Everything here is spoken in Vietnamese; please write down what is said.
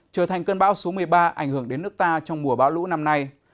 trở thành cơn bão số một mươi ba ảnh hưởng đến nước ta trong mùa bão lũ năm nay